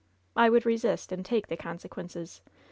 ^T. would resist, and take the consequences.